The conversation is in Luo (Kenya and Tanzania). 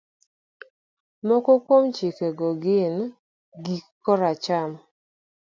Moko kuom chikego gin, ng'i koracham,